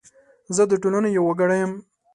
زه د ټولنې یو وګړی یم .